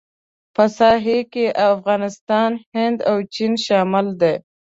په ساحه کې افغانستان، هند او چین شامل دي.